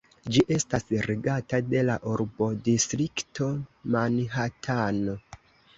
Ĝi estas regata de la urbodistrikto Manhatano.